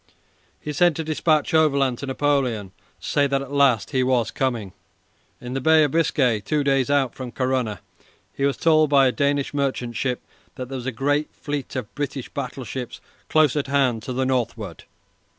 He sent a dispatch overland to Napoleon to say that at last he was coming. In the Bay of Biscay, two days out from Corunna, he was told by a Danish merchant ship that there was a great fleet of British battleships close at hand to the northward.